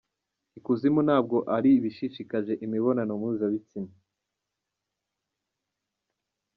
I kuzimu ntabwo ari ibishishikaje imibonano mpuzabitsina.